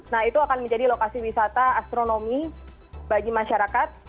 nah itu akan menjadi lokasi wisata astronomi bagi masyarakat